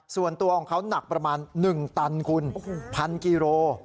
ส่วนตัวของเขานักประมาณหนึ่งตันกุลพันกิโล